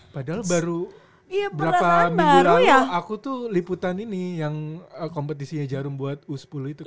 padahal baru berapa minggu lalu aku tuh liputan ini yang kompetisinya jarum buat u sepuluh itu